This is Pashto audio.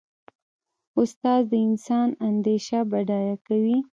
استاد د انسان اندیشه بډایه کوي.